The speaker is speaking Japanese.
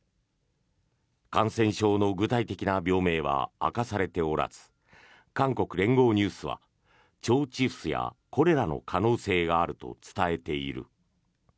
感染症の具体的な病名は明かされておらず韓国・連合ニュースは腸チフスやコレラの可能性があると伝えている。